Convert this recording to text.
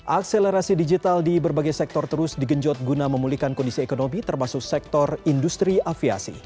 akselerasi digital di berbagai sektor terus digenjot guna memulihkan kondisi ekonomi termasuk sektor industri aviasi